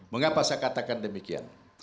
mengapa saya katakan demikian